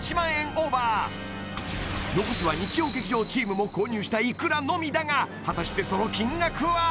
オーバー残すは日曜劇場チームも購入したいくらのみだが果たしてその金額は！？